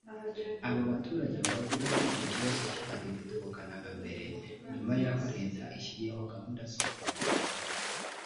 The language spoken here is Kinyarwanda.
abo baturage baravuga ko icyo kibazo kitagifite ubukana nka mbere nyuma y’aho Leta ishyiriyeho gahunda zo kubagoboka